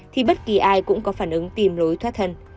thì bất kỳ ai cũng có phản ứng tìm lối thoát thần